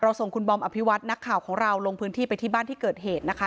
ส่งคุณบอมอภิวัตนักข่าวของเราลงพื้นที่ไปที่บ้านที่เกิดเหตุนะคะ